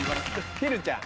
ひるちゃん。